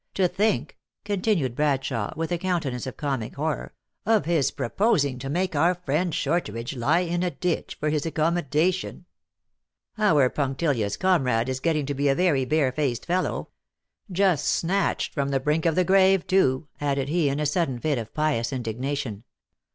To think," continued Brad shawe, with a countenance of comic horror, "of his proposing to make our friend Shortridge lie in a ditch, for his accommodation ! Our punctilious comrade is getting to be a very bare faced fellow. Just snatched from the brink of the grave, too," .added he, in a sud den fit of pious indignation.